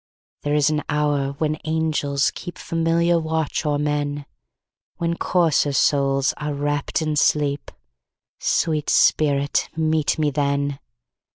There is an hour when angels keepFamiliar watch o'er men, When coarser souls are wrapp'd in sleep—Sweet spirit, meet me then!